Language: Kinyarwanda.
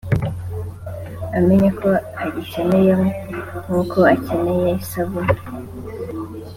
amenye ko agikeneye nk’uko akenera isabune